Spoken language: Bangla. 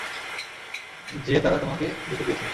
যে তারা তোমাকে জুতো দিয়েছে।